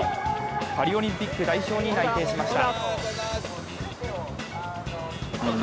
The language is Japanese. パリオリンピック代表に内定しました。